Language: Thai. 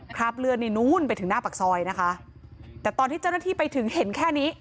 คราบเลือดนี่นู้นไปถึงหน้าปากซอยนะคะแต่ตอนที่เจ้าหน้าที่ไปถึงเห็นแค่นี้